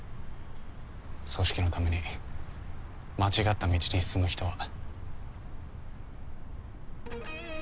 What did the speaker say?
組織のために間違った道に進む人は。